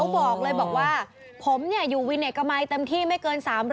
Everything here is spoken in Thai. บอกเลยบอกว่าผมอยู่วินเอกมัยเต็มที่ไม่เกิน๓๐๐